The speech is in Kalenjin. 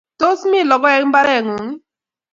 Tos mi logoek mbaret ng'ung' ii?